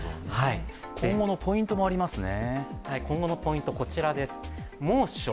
今後のポイントもありますね。